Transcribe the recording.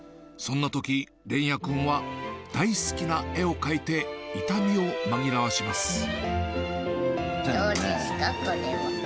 そんなとき、連也君は、大好きな絵を描いて、痛みを紛らわします。